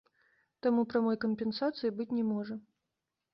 Таму прамой кампенсацыі быць не можа.